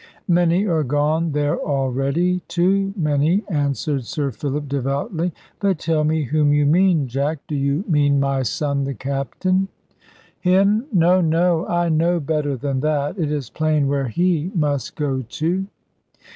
"Many are gone there already too many," answered Sir Philip, devoutly; "but tell me whom you mean, Jack. Do you mean my son the Captain?" "Him! no, no. I know better than that. It is plain where he must go to."